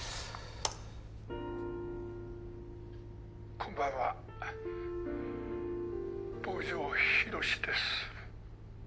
こんばんは坊城寛です